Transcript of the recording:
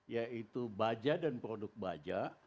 yaitu baja dan produk baja